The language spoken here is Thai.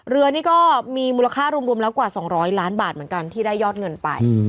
เรือนี่ก็มีมูลค่ารวมแล้วกว่า๒๐๐ล้านบาทเหมือนกันที่ได้ยอดเงินไป